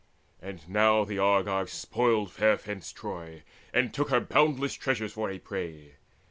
And now the Argives spoiled fair fenced Troy, And took her boundless treasures for a prey.